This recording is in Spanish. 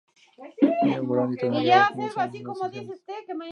New Grove Dictionary of Music and Musicians